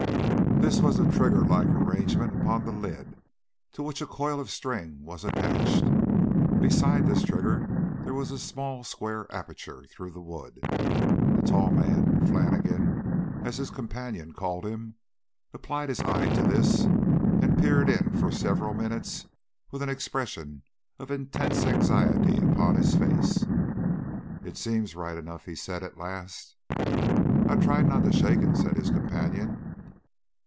This was a trigger like arrangement upon the lid, to which a coil of string was attached. Beside this trigger there was a small square aperture through the wood. The tall man, Flannigan, as his companion called him, applied his eye to this, and peered in for several minutes with an expression of intense anxiety upon his face. "It seems right enough," he said at last. "I tried not to shake it," said his companion.